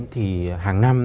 thì hàng năm